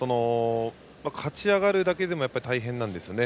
勝ち上がるだけでも大変なんですよね。